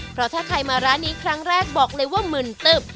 เพราะถ้าใครมาร้านนี้ครั้งแรกบอกเลยว่ามึนตึบ